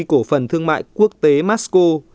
cổ phần thương mại quốc tế masco